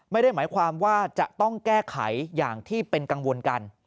ไม่ได้หมายความว่าจะต้องแก้ไขอย่างที่เป็นกังวลกัน